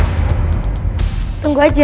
kalo itu mah gak usah ditanya